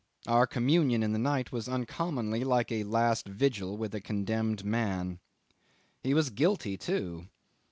Our communion in the night was uncommonly like a last vigil with a condemned man. He was guilty too.